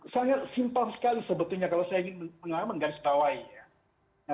sangat simpel sekali sebetulnya kalau saya ingin mengawal menggaris bawah ya